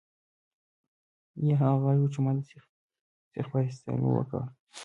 یا هغه غږ و چې ما د سیخ په اخیستلو وکړ